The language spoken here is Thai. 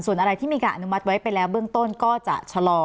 ส่วนอะไรที่มีการอนุมัติไว้ไปแล้วเบื้องต้นก็จะชะลอ